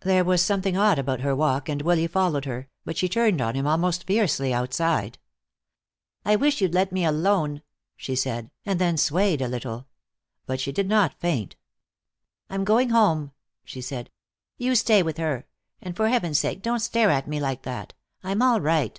There was something odd about her walk and Willy followed her, but she turned on him almost fiercely outside. "I wish you'd let me alone," she said, and then swayed a little. But she did not faint. "I'm going home," she said. "You stay with her. And for heaven's sake don't stare at me like that. I'm all right."